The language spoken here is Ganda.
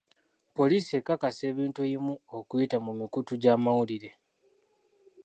Poliisi ekakasa ebintu ebimu okuyita mu mikutu gy'amawulire.